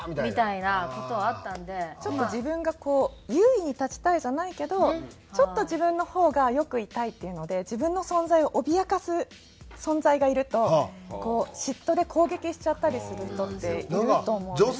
ちょっと自分がこう優位に立ちたいじゃないけどちょっと自分の方が良くいたいっていうので自分の存在を脅かす存在がいるとこう嫉妬で攻撃しちゃったりする人っていると思うんです。